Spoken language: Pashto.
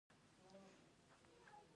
ایا زه باید باډي بلډینګ وکړم؟